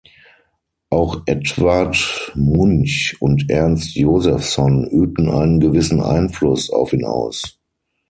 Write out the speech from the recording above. Auch Edvard Munch und Ernst Josephson übten einen gewissen Einfluss auf ihn aus.